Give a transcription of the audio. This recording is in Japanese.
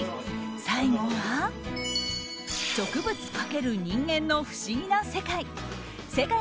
最後は植物×人間の不思議な世界。